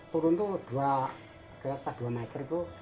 turun itu dua meter itu